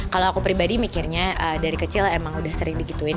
kalau aku pribadi mikirnya dari kecil emang udah sering digituin